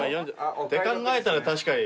って考えたら確かに。